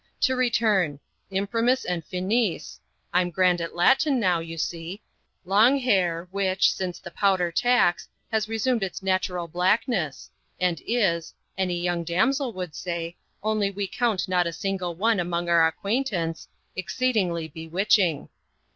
To return: Imprimis and finis (I'm grand at Latin now, you see) long hair, which, since the powder tax, has resumed its original blackness, and is any young damsel would say, only we count not a single one among our acquaintance exceedingly bewitching."